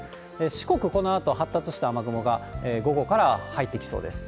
四国、このあと発達した雨雲が午後から入ってきそうです。